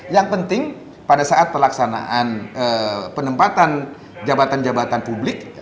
yang penting pada saat pelaksanaan penempatan jabatan jabatan publik